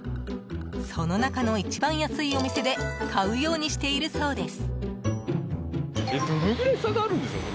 その中の一番安いお店で買うようにしているそうです。